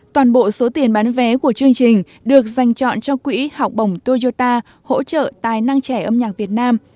toàn bộ số tiền bán vé của chương trình được dành chọn cho quỹ học bổng toyota hỗ trợ tài năng trẻ âm nhạc việt nam